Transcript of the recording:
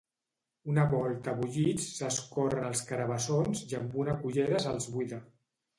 Una volta bullits s'escorren els carabassons i amb una cullera se’ls buida.